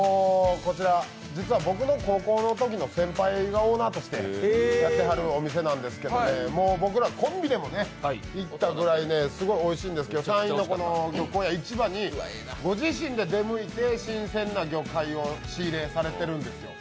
実は僕の高校のときの先輩がオーナーとしてやってはるお店なんですけど僕らコンビでも行ったぐらいすごいおいしいんですけど山陰の漁港や市場にご自身で出向いて仕入れをされてるんですよ。